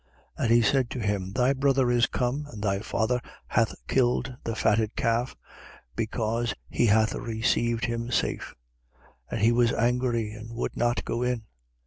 15:27. And he said to him: Thy brother is come and thy father hath killed the fatted calf, because he hath received him safe. 15:28. And he was angry and would not go in.